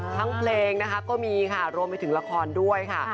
เพลงนะคะก็มีค่ะรวมไปถึงละครด้วยค่ะ